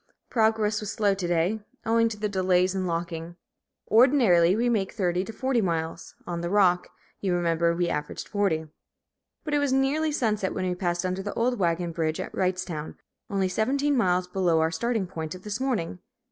Progress was slow to day, owing to the delays in locking. Ordinarily, we make from thirty to forty miles, on the Rock, you remember, we averaged forty. But it was nearly sunset when we passed under the old wagon bridge at Wrightstown, only seventeen miles below our starting point of this morning.